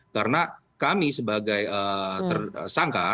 karena kami sebagai tersangka